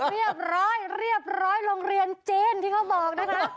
เรียบร้อยเรียบร้อยโรงเรียนจีนที่เขาบอกนะคะ